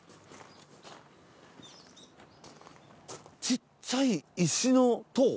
ちっちゃい石の塔。